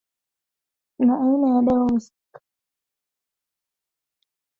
na aina ya dawa husika kiasi cha dawa kilichotumikamuda wa